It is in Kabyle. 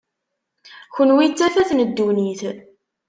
Kenwi d tafat n ddunit.